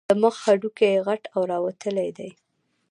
د مخ هډوکي یې غټ او راوتلي دي.